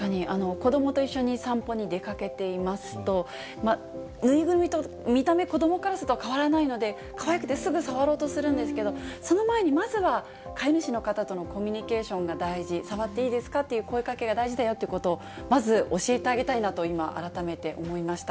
子どもと一緒に散歩に出かけていますと、縫いぐるみと見た目、子どもからすると変わらないので、かわいくてすぐ触ろうとするんですけど、その前に、まずは飼い主の方とのコミュニケーションが大事、触っていいですかという声かけが大事だよということを、まず教えてあげたいなと今、改めて思いました。